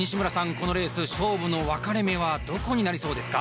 このレース勝負の分かれ目はどこになりそうですか？